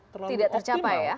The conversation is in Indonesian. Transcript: tidak tercapai ya